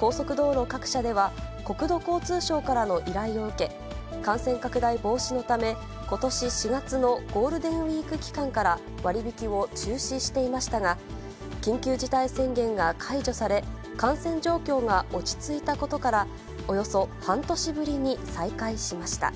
高速道路各社では、国土交通省からの依頼を受け、感染拡大防止のため、ことし４月のゴールデンウィーク期間から、割引を中止していましたが、緊急事態宣言が解除され、感染状況が落ち着いたことから、およそ半年ぶりに再開しました。